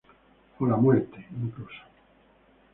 O la muerte, incluso.